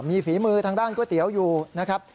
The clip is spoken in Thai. มีฝีมือทางด้านก๋วยเตี๋ยวอยู่นะครับ